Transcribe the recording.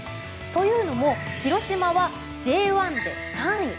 というのも広島はＪ１で３位。